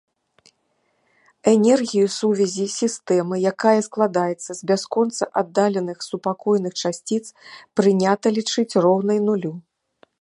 Энергію сувязі сістэмы, якая складаецца з бясконца аддаленых супакойных часціц, прынята лічыць роўнай нулю.